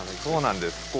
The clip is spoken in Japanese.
そうなんです。